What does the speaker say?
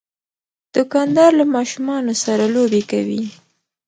دوکاندار له ماشومان سره لوبې کوي.